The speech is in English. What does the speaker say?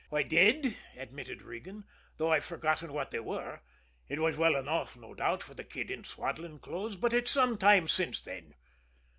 "I did," admitted Regan; "though I've forgotten what they were. It was well enough, no doubt, for a kid in swaddling clothes but it's some time since then."